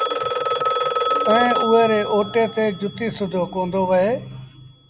ائيٚݩ اُئي ري اوتي تي جتيٚ سُوڌو ڪوندو وهي